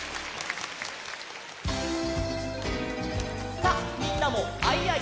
さっみんなも「アイアイ」